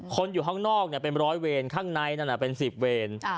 คนอยู่ข้างนอกเนี่ยเป็นร้อยเวนข้างในนั้นน่ะเป็นสิบเวน